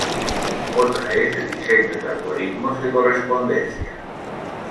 Otra es el diseño de algoritmos de correspondencia.